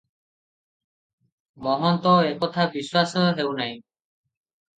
ମହନ୍ତ- ଏ କଥା ବିଶ୍ୱାସ ହେଉନାହିଁ ।